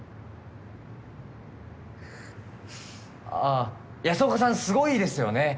ああ安岡さんすごいですよね。